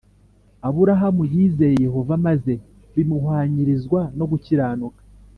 Aburahamu yizeye Yehova maze bimuhwanyirizwa no gukiranuka